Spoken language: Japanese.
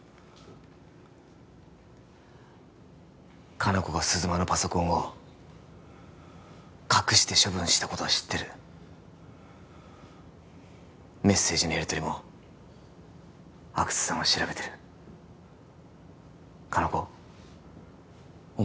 香菜子が鈴間のパソコンを隠して処分したことは知ってるメッセージのやりとりも阿久津さんは調べてる香菜子お前